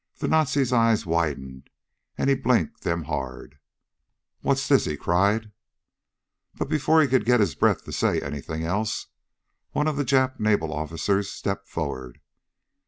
The Nazi's eyes widened and he blinked them hard. "What's this?" he cried. Before he could get his breath to say anything else, one of the Jap naval officers stepped forward.